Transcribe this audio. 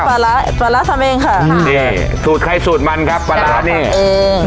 น้ำปลาร้าปลาร้าทำเองค่ะนี่สูตรไข้สูตรมันครับปลาร้าเนี้ย